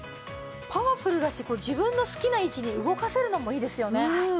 パワフルだし自分の好きな位置に動かせるのもいいですよね。